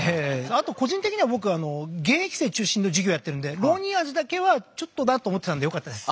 あと個人的には僕は現役生中心の授業やってるんでロウニンアジだけはちょっとなと思ってたんでよかったです。